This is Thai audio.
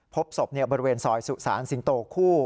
พบศพบริเวณซอยสุสานสิงโตคู่